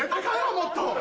もっと。